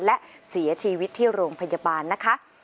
และเสียชีวิตที่โรงพยาบาลนะคะ